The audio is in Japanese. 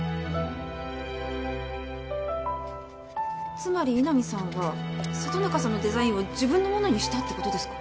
つまり井波さんは里中さんのデザインを自分のものにしたって事ですか？